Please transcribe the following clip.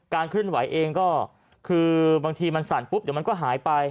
เคลื่อนไหวเองก็คือบางทีมันสั่นปุ๊บเดี๋ยวมันก็หายไป